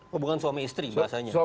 hubungan suami istri bahasanya